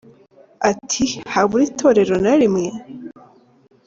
Ati “Habure itorero na rimwe ?